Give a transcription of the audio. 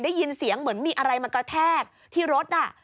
ได้ยินเสียงเหมือนมีอะไรมากระแทกที่รถ